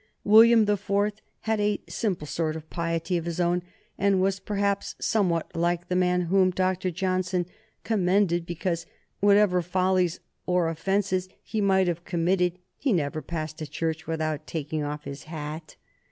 William the Fourth had a simple sort of piety of his own, and was perhaps somewhat like the man whom Doctor Johnson commended because, whatever follies or offences he might have committed, he never passed a church without taking off his hat.